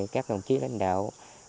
các đồng chí lãnh đạo